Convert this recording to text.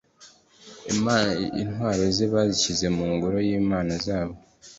intwaro ze bazishyira mu ngoro y imana zabo